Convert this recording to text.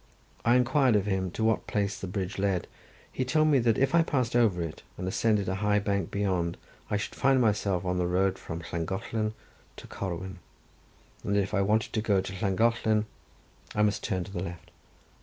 I inquired of him to what place the bridge led; he told me that if I passed over it, and ascended a high bank beyond, I should find myself on the road from Llangollen to Corwen, and that if I wanted to go to Llangollen I must turn to the left.